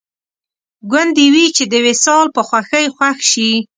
ګوندې وي چې د وصال په خوښۍ خوښ شي